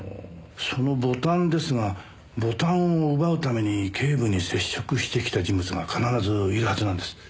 そのボタンですがボタンを奪うために警部に接触してきた人物が必ずいるはずなんです。